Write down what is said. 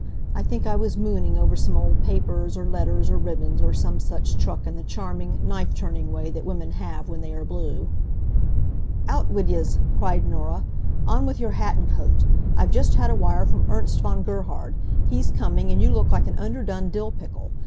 I think I was mooning over some old papers, or letters, or ribbons, or some such truck in the charming, knife turning way that women have when they are blue. "Out wid yez!" cried Norah. "On with your hat and coat! I've just had a wire from Ernst von Gerhard. He's coming, and you look like an under done dill pickle.